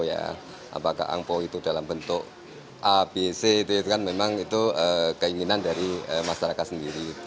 apakah angpo itu dalam bentuk abc itu kan memang itu keinginan dari masyarakat sendiri